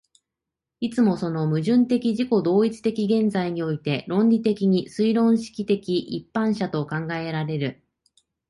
いつもその矛盾的自己同一的現在において論理的に推論式的一般者と考えられる。